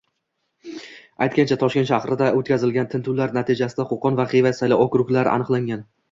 Aytgancha, Toshkent shahrida o'tkazilgan tintuvlar natijasida Qo'qon va Xiva saylov okruglari aniqlangan